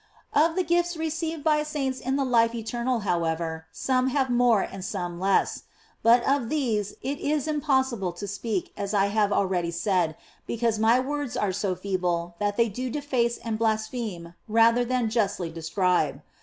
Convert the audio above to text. Of the gifts received by saints in the life eternal, how ever, some have more and some less. But of these it is impossible to speak, as I have already said, because my words are so feeble that they do deface and blaspheme rather than justly describe.